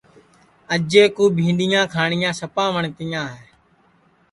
اجئے کُو بھینٚڈؔیاں کھاٹؔیاں سپا وٹؔتیاں ہے